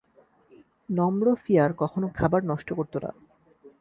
নম্র ফ্রিয়ার কখনো খাবার নষ্ট করত না।